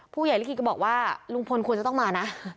ลิขิตก็บอกว่าลุงพลควรจะต้องมานะ